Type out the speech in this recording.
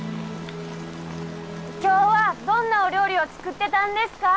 今日はどんなお料理を作ってたんですか？